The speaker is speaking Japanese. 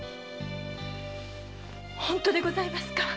本当でございますか？